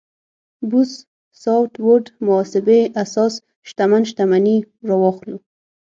بوث ساوت ووډ محاسبې اساس شتمن شتمني راواخلو.